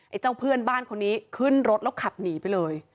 เจ้าเพื่อนบ้านคนนี้ขึ้นรถแล้วขับหนีไปเลย